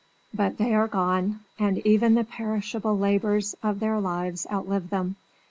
But they are gone, and even the perishable labours of their lives outlive them.